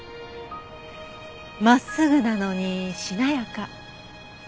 真っすぐなのにしなやか。